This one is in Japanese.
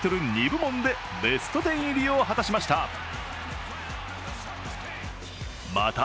２部門でベスト１０入りを果たしました。